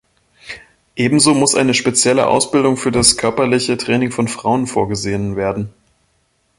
Ebenso muss eine spezielle Ausbildung für das körperliche Training von Frauen vorgesehen werden.